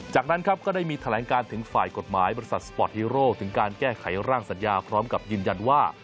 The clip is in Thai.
จากนั้นครับก็ได้มีแถลงการถึงฝ่ายกฎหมายบริษัทสปอร์ตฮีโร่ถึงการแก้ไขร่างสัญญาพร้อมกับยืนยันว่า